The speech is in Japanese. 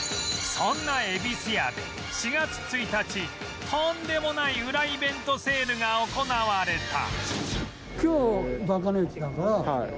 そんなゑびすやで４月１日とんでもないウライベントセールが行われた